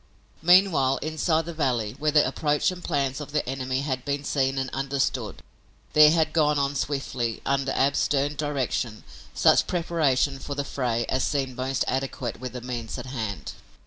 Meanwhile, inside the valley, where the approach and plans of the enemy had been seen and understood, there had gone on swiftly, under Ab's stern direction, such preparation for the fray as seemed most adequate with the means at hand.